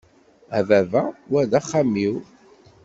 A baba, wa d axxam-iw!